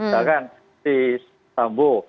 bahkan si sambo